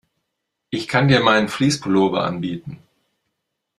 Ich kann dir meinen Fleece-Pullover anbieten.